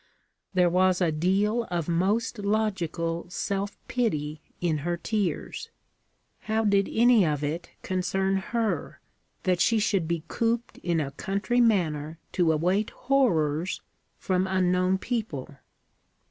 There was a deal of most logical self pity in her tears. How did any of it concern her, that she should be cooped in a country manor to await horrors from unknown people?